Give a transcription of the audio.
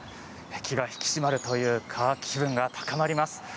気が引き締まるというか気分が高まります。